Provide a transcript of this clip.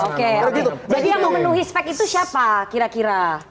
oke jadi yang memenuhi spek itu siapa kira kira